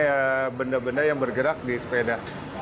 ada benda benda yang bergerak di sepeda